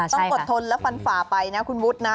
ต้องอดทนและฟันฝ่าไปนะคุณวุฒินะ